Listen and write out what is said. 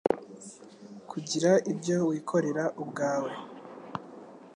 kugira ibyo wikorera ubwawe,